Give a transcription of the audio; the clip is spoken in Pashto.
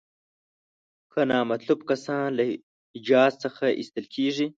که نامطلوب کسان له حجاز څخه ایستل کیږي.